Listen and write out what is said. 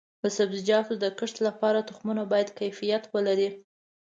د سبزیجاتو د کښت لپاره تخمونه باید کیفیت ولري.